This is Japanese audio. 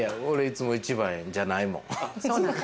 俺いつも１番じゃないもん。